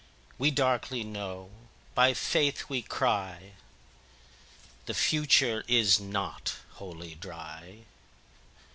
13We darkly know, by Faith we cry,14The future is not Wholly Dry.